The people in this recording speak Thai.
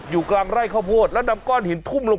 อยู่กลางไร่ข้าวโพดแล้วนำก้อนหินทุ่มลง